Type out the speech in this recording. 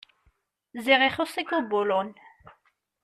Ziɣ ixuṣ-ik ubulun!